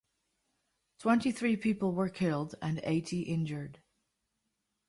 Twenty-three people were killed and eighty injured.